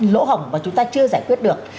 lỗ hỏng mà chúng ta chưa giải quyết được